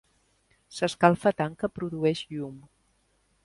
S'escalfa tant que produeix llum.